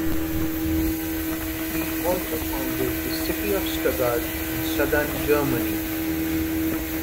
He also founded the city of Stuttgart in southern Germany.